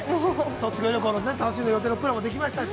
◆卒業旅行の楽しむ予定のプランもできましたし。